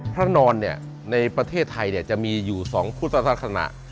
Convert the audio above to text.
พระนอนในประเทศไทยจะมีอยู่สองพุทธศาสตร์คณะ